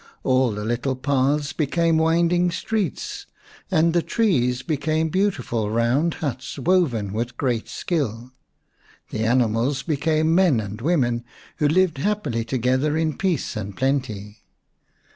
All the little paths became wind ing streets, and the trees became beautiful round huts, woven with great skill. The animals be came men and women, who lived happily together in peace and plenty.